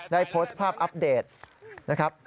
ได้โพสต์ภาพอัปเดตนะครับ